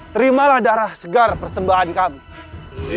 terimalah darah segar persembahan kami